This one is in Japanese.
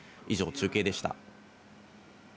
以上、中継でした。